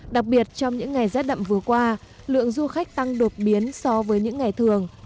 đặc biệt trong những ngày rét đậm vừa qua lượng du khách tăng đột biến so với những ngày thường